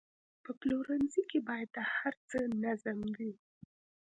په پلورنځي کې باید د هر څه نظم وي.